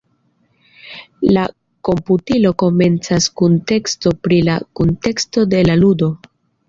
La komputilo komencas kun teksto pri la kunteksto de la ludo.